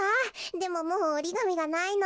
でももうおりがみがないの。